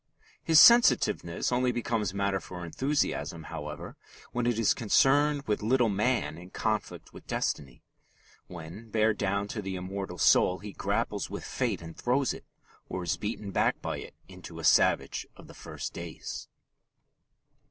His sensitiveness only becomes matter for enthusiasm, however, when it is concerned with little man in conflict with destiny when, bare down to the immortal soul, he grapples with fate and throws it, or is beaten back by it into a savage of the first days.